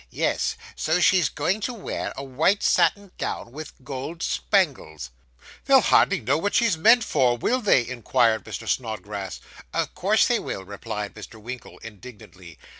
'Yes; so she's going to wear a white satin gown with gold spangles.' 'They'll hardly know what she's meant for; will they?' inquired Mr. Snodgrass. 'Of course they will,' replied Mr. Winkle indignantly.